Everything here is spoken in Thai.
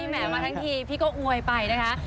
แหมมาทั้งทีพี่ก็อวยไปนะคะ